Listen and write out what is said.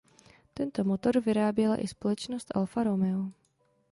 Tento motor vyráběla i společnost Alfa Romeo.